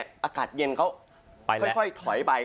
อากาศเย็นเขาค่อยถอยไป